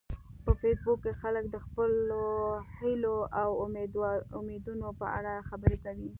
په فېسبوک کې خلک د خپلو هیلو او امیدونو په اړه خبرې کوي